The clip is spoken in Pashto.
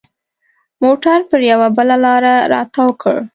موټر پر یوه بله لاره را تاو کړ.